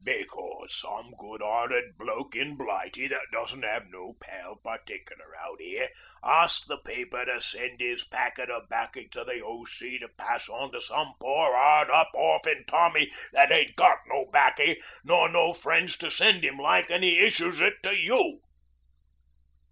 'Becos some good 'earted bloke in Blighty that doesn't 'ave no pal particular out 'ere asks the paper to send 'is packet o' 'baccy to the O.C. to pass on to some pore 'ard up orphin Tommy that ain't got no 'baccy nor no fren's to send 'im like, an' 'e issues it to you.'